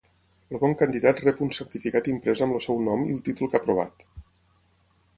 El bon candidat rep un certificat imprès amb el seu nom i el títol que ha aprovat.